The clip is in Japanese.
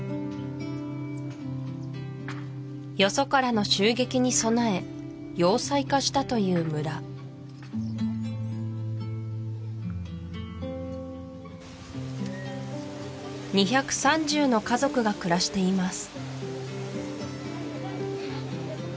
よそからの襲撃に備え要塞化したという村２３０の家族が暮らしています